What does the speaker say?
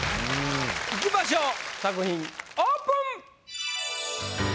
いきましょう作品オープン！